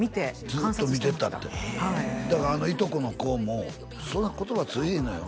ずっと見てたってだからあのいとこの子もそんな言葉通じへんのよ